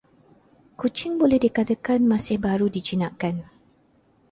Kucing boleh dikatakan masih baru dijinakkan.